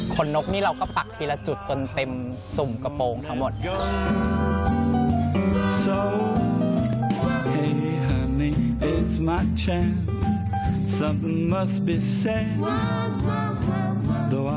นกนี่เราก็ปักทีละจุดจนเต็มสุ่มกระโปรงทั้งหมด